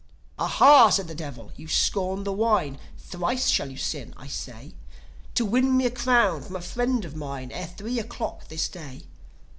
"Ah, ha!" said the Devil. "You scorn the wine! Thrice shall you sin, I say, To win me a crown from a friend of mine, Ere three o' the clock this day.